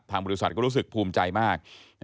บริษัทก็รู้สึกภูมิใจมาก